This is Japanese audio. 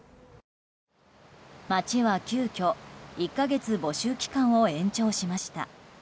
町は急きょ、１か月募集期間を延長しました。